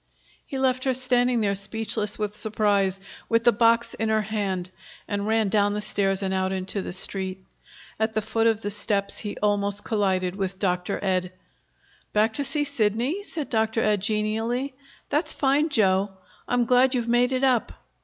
He left her standing there speechless with surprise, with the box in her hand, and ran down the stairs and out into the Street. At the foot of the steps he almost collided with Dr. Ed. "Back to see Sidney?" said Dr. Ed genially. "That's fine, Joe. I'm glad you've made it up."